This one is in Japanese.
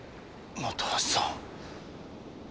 本橋さん